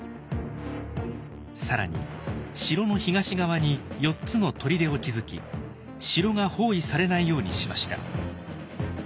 更に城の東側に４つの砦を築き城が包囲されないようにしました。